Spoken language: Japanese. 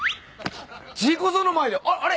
ジーコ像の前であっあれ？